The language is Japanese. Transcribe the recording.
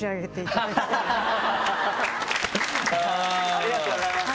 ありがとうございます！